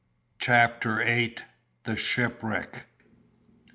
CHAPTER VIII. THE SHIPWRECK.